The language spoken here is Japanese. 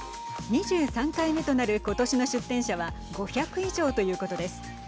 ２３回目となる今年の出展者は５００以上ということです。